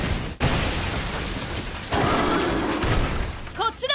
こっちだ！